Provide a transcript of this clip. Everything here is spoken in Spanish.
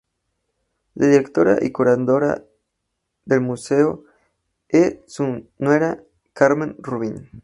La directora y curadora del museo e su nuera, Carmela Rubin.